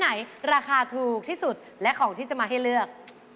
จินทรายราคาถูกที่สุดและเขาจะมาให้เลือก